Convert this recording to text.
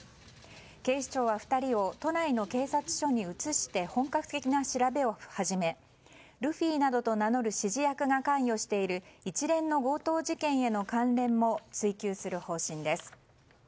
警視庁は２人を都内の警察署に移して本格的な調べを始めルフィなどと名乗る指示役が関与している一連の強盗事件への関連も追及する方針です。